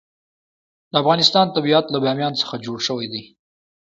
د افغانستان طبیعت له بامیان څخه جوړ شوی دی.